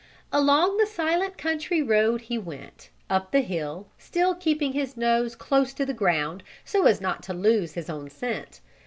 Along the silent country road he went, up the hill, still keeping his nose close to the ground so as not to lose his own scent.